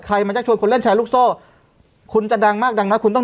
มาชักชวนคนเล่นแชร์ลูกโซ่คุณจะดังมากดังนะคุณต้อง